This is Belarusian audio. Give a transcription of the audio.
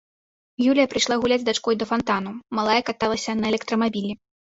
Юлія прыйшла гуляць з дачкой да фантанаў, малая каталася на электрамабілі.